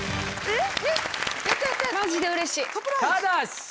えっ？